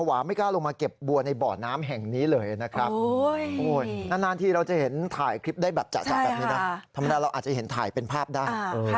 ว่าเราอาจจะเห็นถ่ายเป็นภาพได้